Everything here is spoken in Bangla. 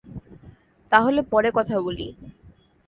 তাহলে পরে কথা বলি।